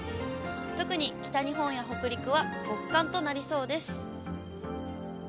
特に北日本や北陸は極寒となりそうです。